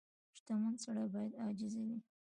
• شتمن سړی باید عاجز وي.